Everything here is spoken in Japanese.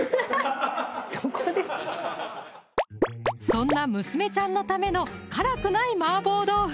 そんな娘ちゃんのための辛くない麻婆豆腐！